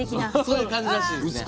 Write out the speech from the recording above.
そういう感じらしいですね。